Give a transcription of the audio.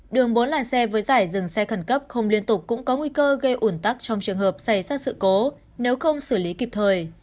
đường bốn làn xe với giải dừng xe khẩn cấp không liên tục cũng có nguy cơ gây ủn tắc trong trường hợp xảy ra sự cố nếu không xử lý kịp thời